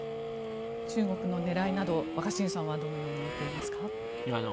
中国の狙いなど若新さんはどのように見ていますか？